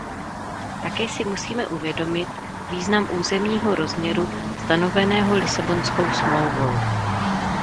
Také si musíme uvědomit význam územního rozměru stanoveného Lisabonskou smlouvou.